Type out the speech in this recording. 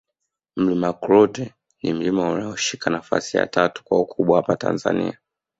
Mlima Klute ni mlima unaoshika nafasi ya tatu kwa ukubwa hapa Tanzania